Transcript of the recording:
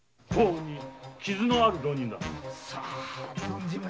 傷のある浪人だ。